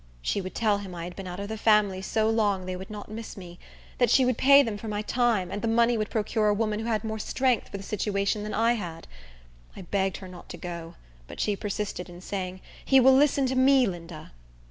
She would tell him I had been out of the family so long they would not miss me; that she would pay them for my time, and the money would procure a woman who had more strength for the situation than I had. I begged her not to go; but she persisted in saying, "He will listen to me, Linda."